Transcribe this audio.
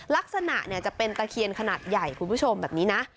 ลักษณะจะเป็นตะเคียนขนาดใหญ่คุณผู้ชมแบบนี้นะ